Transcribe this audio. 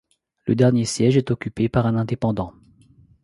Le dernier siège est occupé par un indépendant.